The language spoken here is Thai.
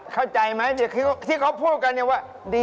เข้าใจไหมที่เขาพูดกัน